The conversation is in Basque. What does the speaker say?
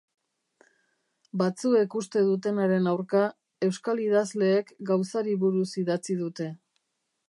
Batzuek uste dutenaren aurka, euskal idazleek Gauzari buruz idatzi dute.